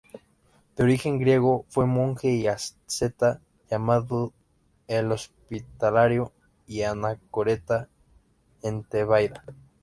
De origen griego, fue monje y asceta llamado el "Hospitalario", y anacoreta en Tebaida.